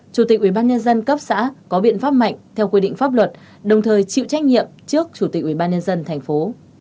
chủ tịch ủy ban nhân dân cấp xã có biện pháp mạnh theo quy định pháp luật đồng thời chịu trách nhiệm trước chủ tịch ủy ban nhân dân thành phố